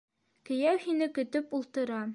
Кейәү һине көтөп ултыра.